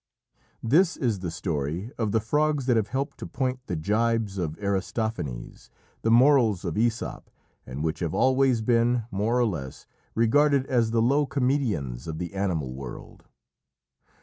This is the story of the frogs that have helped to point the gibes of Aristophanes, the morals of Æsop, and which have always been, more or less, regarded as the low comedians of the animal world.